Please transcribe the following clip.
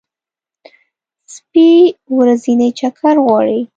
سپي ورځنی چکر غواړي.